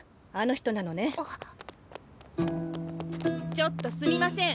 ちょっとすみません。